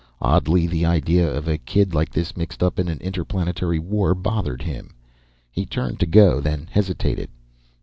Oddly, the idea of a kid like this mixed up in an interplanetary war bothered him. He turned to go, then hesitated.